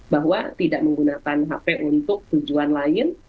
bahwa tidak menggunakan hp untuk tujuan lain